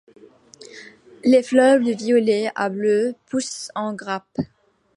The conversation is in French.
Les fleurs de violet à bleu poussent en grappes.